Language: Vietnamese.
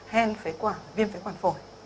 hen phế quản viêm phế quản phổi